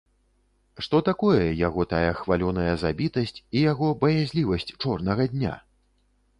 Што такое яго тая хвалёная забітасць і яго баязлівасць чорнага дня?